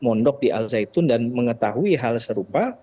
mendok di alzeitun dan mengetahui hal serupa